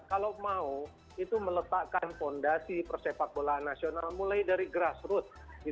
kalau mau itu meletakkan fondasi persepak bolaan nasional mulai dari grassroot